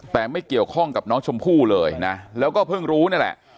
แต่ไม่เกี่ยวข้องกับน้องชมพู่เลยนะแล้วก็เพิ่งรู้นั่นแหละ